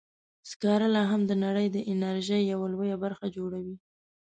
سکاره لا هم د نړۍ د انرژۍ یوه لویه برخه جوړوي.